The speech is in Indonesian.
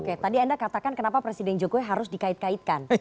oke tadi anda katakan kenapa presiden jokowi harus dikait kaitkan